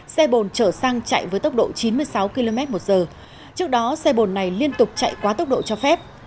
xe bồn chở xăng chạy với tốc độ chín mươi sáu km một giờ trước đó xe bồn này liên tục chạy quá tốc độ cho phép